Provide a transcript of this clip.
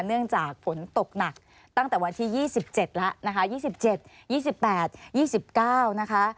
เนื่องจากผลตกหนักตั้งแต่วันที่๒๗แล้วนะคะ